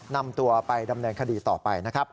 นำตัวไปดำเนินคดีต่อไปนะครับ